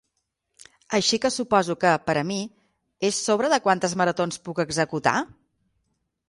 Així que suposo que, per a mi, és sobre de quantes maratons puc executar?